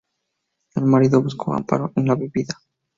El marido buscó amparo en la bebida.